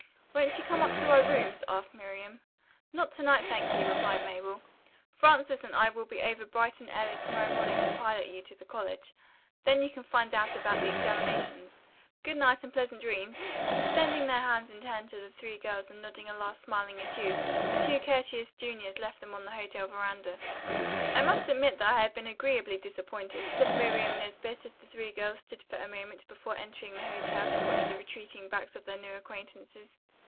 "Won't you come up to our rooms?" asked Miriam. "Not to night, thank you," replied Mabel. "Frances and I will be over bright and early to morrow morning to pilot you to the college. Then you can find out about the examinations. Good night and pleasant dreams." Extending their hands in turn to the three girls and nodding a last smiling adieu, the two courteous juniors left them on the hotel veranda. "I must admit that I have been agreeably disappointed," said Miriam Nesbit as the three girls stood for a moment before entering the hotel to watch the retreating backs of their new acquaintances.